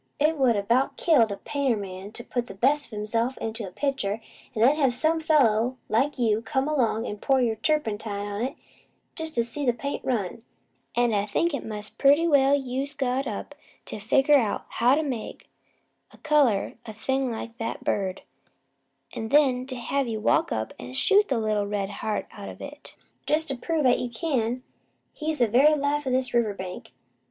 "It 'ud 'bout kill a painter man to put the best o' himself into his picture, an' then have some fellow like you come 'long an' pour turpentine on it jest to see the paint run; an' I think it must pretty well use God up, to figure out how to make an' colour a thing like that bird, an' then have you walk up an' shoot the little red heart out of it, jest to prove 'at you can! He's the very life o' this river bank.